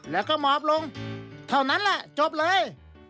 แล้วก็หมอบลงเท่านั้นแหละจบเลย